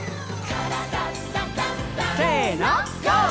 「からだダンダンダン」せのＧＯ！